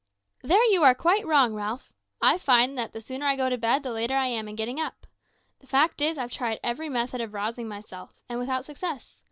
"There you are quite wrong, Ralph. I always find that the sooner I go to bed the later I am in getting up. The fact is, I've tried every method of rousing myself, and without success.